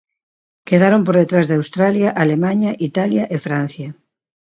Quedaron por detrás de Australia, Alemaña, Italia e Francia.